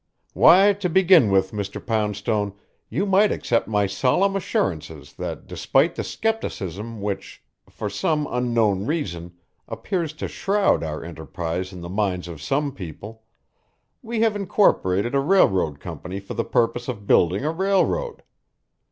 "Why, to begin with, Mr. Poundstone, you might accept my solemn assurances that despite the skepticism which, for some unknown reason, appears to shroud our enterprise in the minds of some people, we have incorporated a railroad company for the purpose of building a railroad.